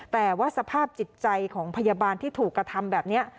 แต่ว่าสภาพจิตใจของพยาบาลที่ถูกกระทำแบบนี้